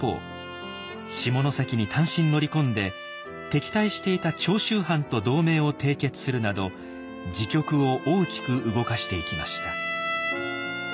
下関に単身乗り込んで敵対していた長州藩と同盟を締結するなど時局を大きく動かしていきました。